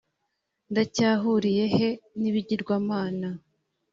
ndacyahuriye he n ibigirwamana